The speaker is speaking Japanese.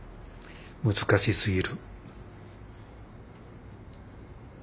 難しすぎる。